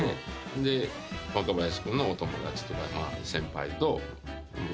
で若林君のお友達とか先輩と僕の知り合い。